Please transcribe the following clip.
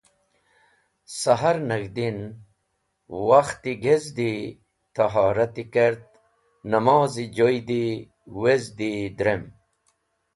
Sahar nag̃hdin, wakhti gezdi, tohrati kert, namozi joydi, wezdi drem.